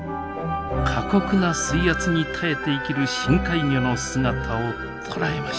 過酷な水圧に耐えて生きる深海魚の姿を捉えました。